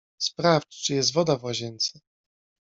Sprawdź czy jest woda w łazience.